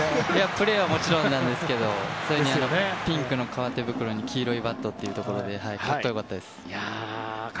プレーはもちろんなんですけどピンクの皮手袋に黄色いバットで格好良かったです。